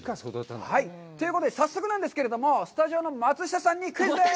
ということで、早速なんですけれども、スタジオの松下さんにクイズです！